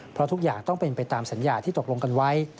เพราะทุกอย่างต้องเป็นไปตามสัญญาที่ตกลงกันไว้